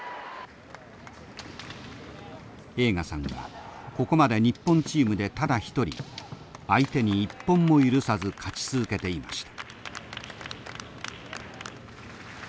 栄花さんはここまで日本チームでただ一人相手に一本も許さず勝ち続けていました。